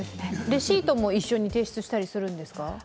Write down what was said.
レシートも一緒に提出したりするんですか